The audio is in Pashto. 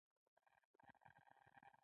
په دې خزانه کې زرګونه لرغونې سکې وې